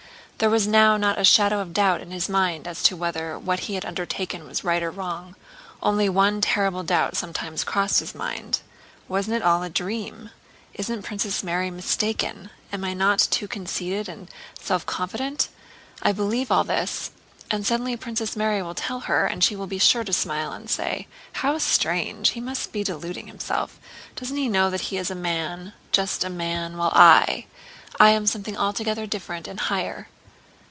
There was now not a shadow of doubt in his mind as to whether what he had undertaken was right or wrong. Only one terrible doubt sometimes crossed his mind: "Wasn't it all a dream? Isn't Princess Mary mistaken? Am I not too conceited and self confident? I believe all this—and suddenly Princess Mary will tell her, and she will be sure to smile and say: 'How strange! He must be deluding himself. Doesn't he know that he is a man, just a man, while I...? I am something altogether different and higher.